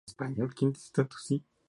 Siendo las dos ya muy antiguas.